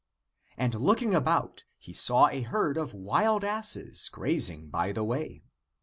And looking about he saw a herd of wild asses, grazing by the way.